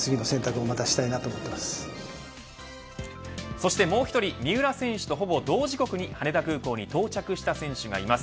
そしてもう１人三浦選手とほぼ同時刻に羽田空港に到着した選手がいます。